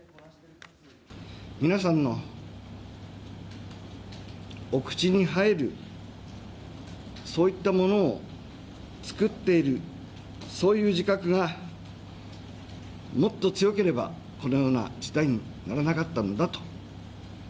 皆さんのお口に入る、そういったものを作っている、そういう自覚がもっと強ければ、このような事態にならなかったのだと。